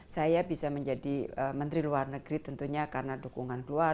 saya bisa menjadi menteri luar negeri tentunya karena dukungan keluar